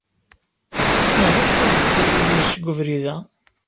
Maɣef ay yekka Yidir seg ubrid-a?